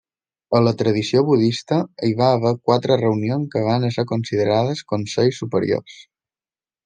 A la tradició budista hi va haver quatre reunions que van ésser considerades Consells Superiors.